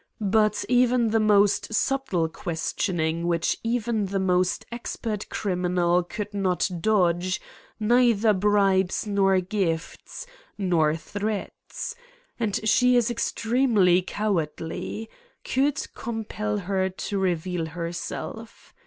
But even the most subtle questioning, which even a most expert criminal could not dodge, neither bribes nor gifts, nor threats and she is extremely cowardly! could compel her to reveal herself.